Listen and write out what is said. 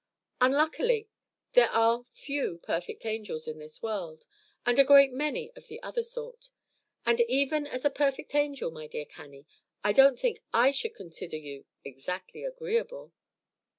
Unluckily, there are few perfect angels in this world, and a great many of the other sort. And even as a perfect angel, my dear Cannie, I don't think I should consider you exactly agreeable."